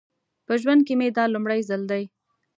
په ژوند کې مې دا لومړی ځل دی.